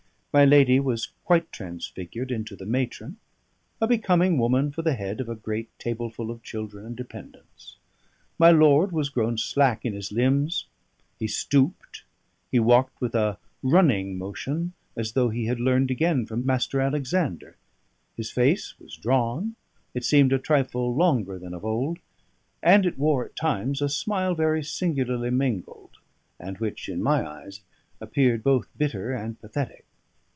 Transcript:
My lady was quite transfigured into the matron, a becoming woman for the head of a great tableful of children and dependants. My lord was grown slack in his limbs; he stooped; he walked with a running motion, as though he had learned again from Mr. Alexander; his face was drawn; it seemed a trifle longer than of old; and it wore at times a smile very singularly mingled, and which (in my eyes) appeared both bitter and pathetic.